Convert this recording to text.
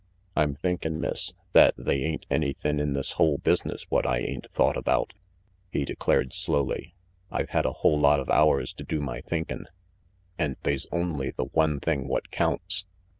"I'm thinkin', Miss, that they ain't anythin' in this whole business what I ain't thought about," he declared slowly. "I've had a whole lot of hours to do my thinkin', and they's only the one thing what counts.